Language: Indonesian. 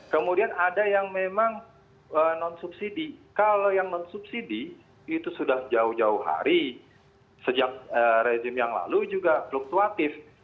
kemudian ada yang memang non subsidi kalau yang non subsidi itu sudah jauh jauh hari sejak rezim yang lalu juga fluktuatif